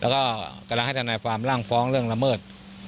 แล้วก็กำลังให้ทนายความร่างฟ้องเรื่องละเมิด